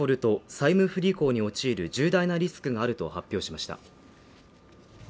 債務不履行に陥る重大なリスクがあると発表しました。